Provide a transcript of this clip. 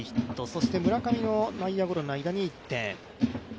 そして村上の内野ゴロの間に１点。